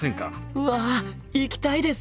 うわ行きたいです！